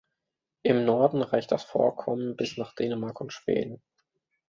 Im Norden reicht das Vorkommen bis nach Dänemark und Schweden.